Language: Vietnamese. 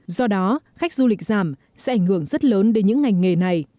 do đó khách du lịch giảm sẽ ảnh hưởng rất lớn đến những ngành nghề này